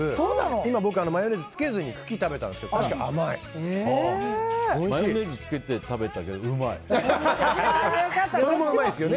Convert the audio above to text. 今僕マヨネーズつけずに茎を食べたんですけどマヨネーズつけて食べたけどそれもうまいですよね。